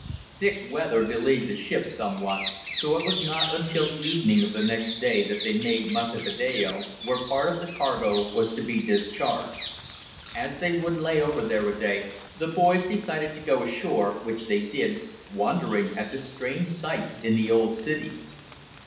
Thick weather delayed the ship somewhat, so it was not until evening of the next day that they made Montevideo, where part of the cargo was to be discharged. As they would lay over there a day, the boys decided to go ashore, which they did, wondering at the strange sights in the old city.